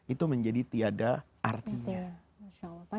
itu menjadi tiada artinya